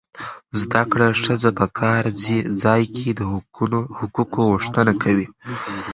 زده کړه ښځه په کار ځای کې د حقوقو غوښتنه کوي.